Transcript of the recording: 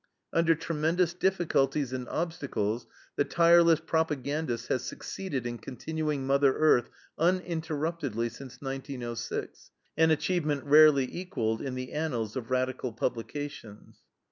Under tremendous difficulties and obstacles the tireless propagandist has succeeded in continuing MOTHER EARTH uninterruptedly since 1906 an achievement rarely equalled in the annals of radical publications.